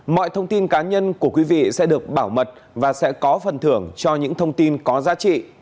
mọi thông tin cá nhân của quý vị sẽ được bảo mật và sẽ có phần thưởng cho những thông tin có giá trị